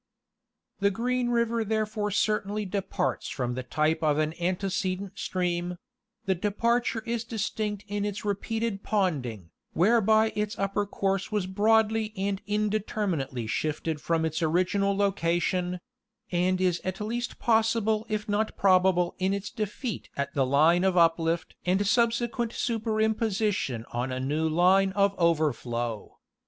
The Green river therefore certainly departs from the type of an antecedent stream; the departure is distinct in its repeated ponding, whereby its upper course was broadly and indetermin ately shifted from its original location; and is at least possible if not probable in its defeat at the line of uplift and subsequent superimposition on a new line of overflow.